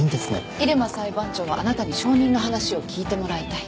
入間裁判長はあなたに証人の話を聞いてもらいたいと。